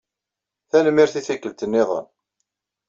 Tanemmirt i tikkelt-nniḍen.